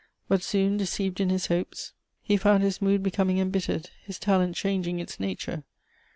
But, soon deceived in his hopes, he found his mood becoming embittered, his talent changing its nature.